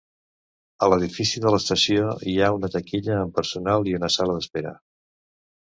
A l'edifici de la estació hi ha una taquilla amb personal i una sala d'espera.